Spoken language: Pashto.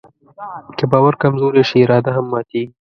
که باور کمزوری شي، اراده هم ماتيږي.